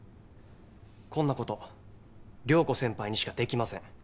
こんなこと涼子先輩にしかできません。